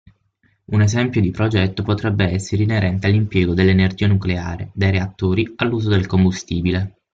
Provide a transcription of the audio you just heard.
Un esempio di progetto potrebbe essere inerente all'impiego dell'energia nucleare, dai reattori, all'uso del combustibile.